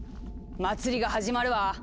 祭りが始まるわ！